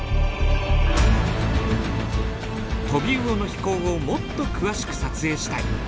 トビウオの飛行をもっと詳しく撮影したい。